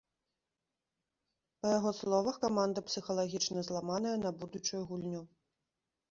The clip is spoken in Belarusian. Па яго словах, каманда псіхалагічна зламаная на будучую гульню.